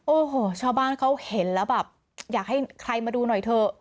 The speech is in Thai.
โอ้โหชาวบ้านเขาเห็นแล้วแบบอยากให้ใครมาดูหน่อยเถอะ